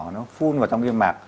nó phun vào trong niêm mạc